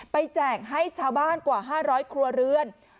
แจกให้ชาวบ้านกว่า๕๐๐ครัวเรือน